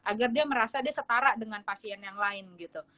agar dia merasa dia setara dengan pasien yang lain gitu